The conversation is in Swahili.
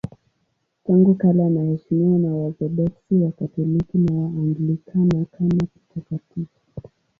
Tangu kale anaheshimiwa na Waorthodoksi, Wakatoliki na Waanglikana kama mtakatifu.